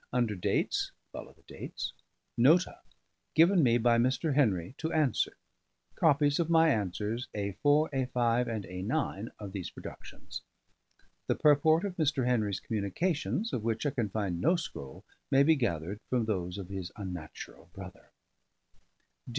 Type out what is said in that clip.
under dates ... (follow the dates).... Nota: given me by Mr. Henry to answer: copies of my answers A 4, A 5, and A 9 of these productions. The purport of Mr. Henry's communications, of which I can find no scroll, may be gathered from those of his unnatural brother.